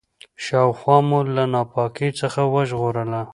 شاوخوا مو له ناپاکۍ څخه وژغورله.